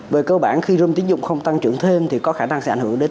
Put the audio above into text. về cơ bản khi room tiến dụng không tăng trưởng thêm thì có khả năng sẽ ảnh hưởng đến